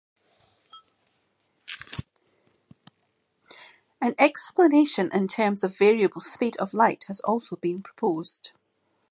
An explanation in terms of variable speed of light has also been proposed.